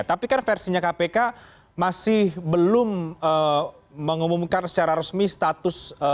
tapi kan versinya kpk masih belum mengumumkan secara resmi status